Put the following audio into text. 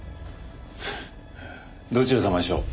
どちら様でしょう？